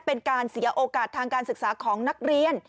เป็นการเสียโอกาสทางการศึกษาของนักเรียน